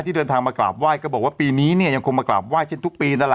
เดินทางมากราบไหว้ก็บอกว่าปีนี้เนี่ยยังคงมากราบไห้เช่นทุกปีนั่นแหละ